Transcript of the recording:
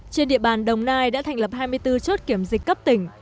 trên địa bàn đồng nai đã thành lập hai mươi bốn chốt kiểm dịch cấp tỉnh